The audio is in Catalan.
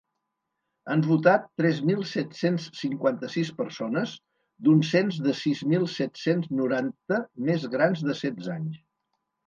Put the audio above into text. Han votat tres mil set-cents cinquanta-sis persones d’un cens de sis mil set-cents noranta més grans de setze anys.